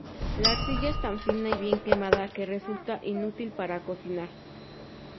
La arcilla es tan fina y bien quemada que resulta inútil para cocinar.